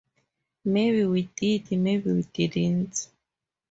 Maybe we did, maybe we didn't.